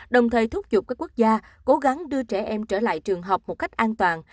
đồng thời thúc giục các quốc gia cố gắng đưa trẻ em trở lại trường học một cách an toàn